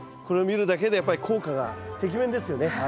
これを見るだけでやっぱり効果がてきめんですよね。